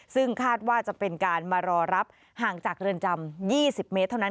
ซึ่งคาดว่าจะเป็นการมารอรับห่างจากเรือนจำ๒๐เมตรเท่านั้น